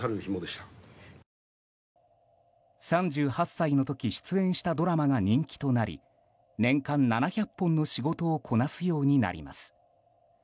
３８歳の時出演したドラマが人気となり年間７００本の仕事をこなすようになります。